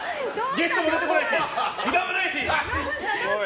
ゲストも出てこないし札もないし！